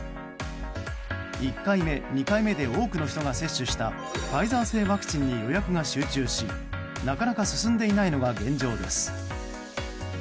１回目、２回目で多くの人が接種したファイザー製ワクチンに予約が集中しなかなか進んでいないのが現状です。